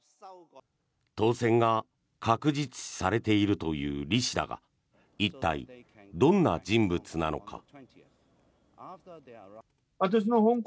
当選が確実視されているというリ氏だが一体、どんな人物なのか。